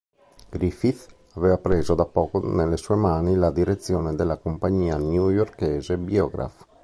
Griffith aveva preso da poco nelle sue mani la direzione della compagnia newyorkese Biograph.